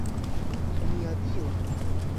Mia Dio!